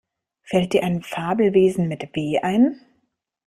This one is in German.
Fällt dir ein Fabelwesen mit W ein?